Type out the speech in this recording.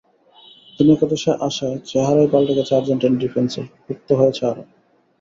তিনি একাদশে আসায় চেহারাই পাল্টে গেছে আর্জেন্টাইন ডিফেন্সের, পোক্ত হয়েছে আরও।